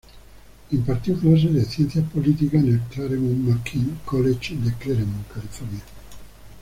Impartió clases de Ciencias Políticas en el Claremont McKenna Collage de Claremont, California.